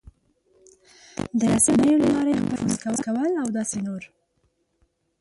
د رسنیو له لارې خپل نفوذ کول او داسې نور...